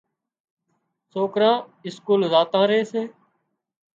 سوڪران اسڪول زاتان ري سي۔